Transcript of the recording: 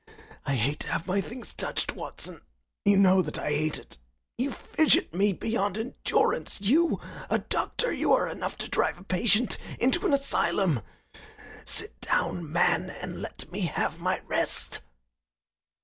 "I hate to have my things touched, Watson. You know that I hate it. You fidget me beyond endurance. You, a doctor you are enough to drive a patient into an asylum. Sit down, man, and let me have my rest!"